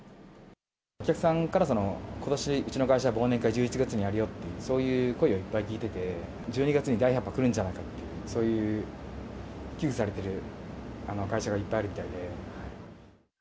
お客さんから、ことし、うちの会社は忘年会、１１月にやるよっていう声をいっぱい聞いてて、１２月に第８波が来るんじゃないかと、そういう、危惧されてる会社がいっぱいあるみたいで。